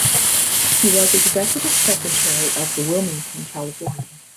He was executive secretary of the Wilmington, California.